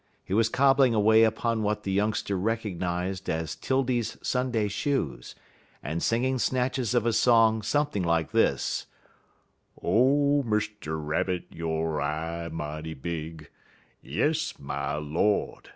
He was cobbling away upon what the youngster recognized as 'Tildy's Sunday shoes, and singing snatches of a song something like this: "_O Mr. Rabbit! yo' eye mighty big Yes, my Lord!